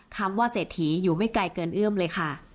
คำว่าเศรษฐีอยู่ไม่ไกลเกินเอื้อมเลยค่ะ